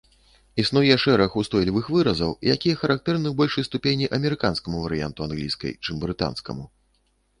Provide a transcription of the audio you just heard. Існуе шэраг устойлівых выразаў, якія характэрны ў большай ступені амерыканскаму варыянту англійскай, чым брытанскаму.